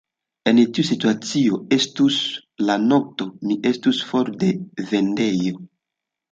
En tiu situacio, estus la nokto, mi estus for de vendejo.